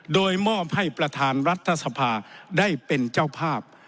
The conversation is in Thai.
โดยมอบให้ประธานรัฐสภาได้เป็นเจ้าภาพ